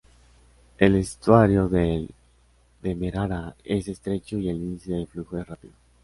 El estuario del Demerara es estrecho y el índice de flujo es rápido.